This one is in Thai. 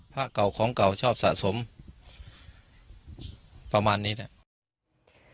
พระเก่าของเก่าชอบสะสมประมาณนี้เนี่ย